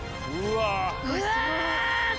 うわ！